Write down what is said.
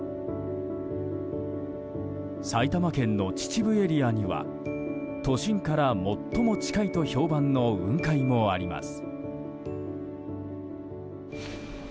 埼玉県の秩父エリアには都心から最も近いと評判の雲海もあります。